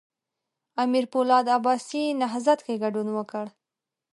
امیر پولاد عباسي نهضت کې ګډون وکړ.